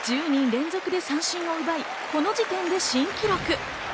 １０人連続で三振を奪い、この時点で新記録。